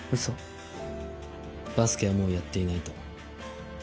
バスケはもうやっていないと。